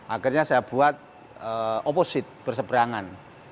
akhirnya saya buat opposite berseperangan